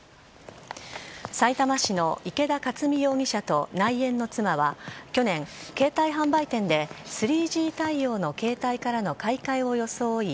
さいたま市の池田勝己容疑者と内縁の妻は去年、携帯販売店で３Ｇ対応の携帯からの買い替えを装い